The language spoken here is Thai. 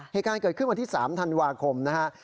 เหตุการณ์เกิดขึ้นวันที่๓ธันวาคมนะฮะ